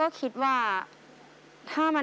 โอ้โหโอ้โหโอ้โห